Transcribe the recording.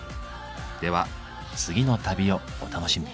では次の旅をお楽しみに。